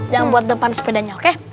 jangan buat depan sepedanya oke